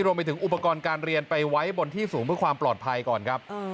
รวมไปถึงอุปกรณ์การเรียนไปไว้บนที่สูงเพื่อความปลอดภัยก่อนครับ